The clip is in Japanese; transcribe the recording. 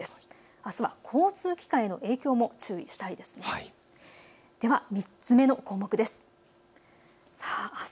あすは交通機関への影響も注意したいです。